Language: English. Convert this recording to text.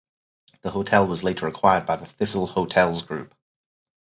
The hotel was later acquired by the Thistle Hotels group.